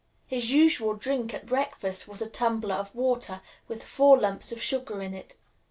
His usual drink at breakfast was a tumbler of water, with four lumps of sugar in it.